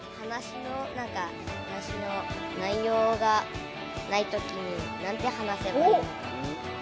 話の内容がないときに何て話せばいいのか。